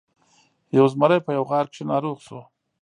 یو زمری په یوه غار کې ناروغ شو.